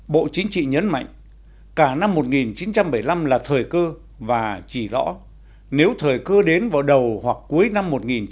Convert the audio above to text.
bộ chính trị nhấn mạnh cả năm một nghìn chín trăm bảy mươi năm là thời cơ và chỉ rõ nếu thời cơ đến vào đầu hoặc cuối năm một nghìn chín trăm bảy mươi